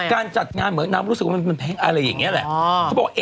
การจัดงานเหมือนน้ำรู้สึกว่ามันแพงอะไรอย่างนี้แหละ